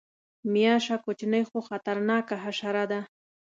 غوماشه کوچنۍ خو خطرناکه حشره ده.